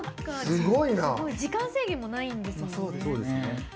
時間制限もないんですもんね。